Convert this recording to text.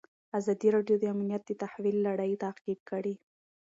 ازادي راډیو د امنیت د تحول لړۍ تعقیب کړې.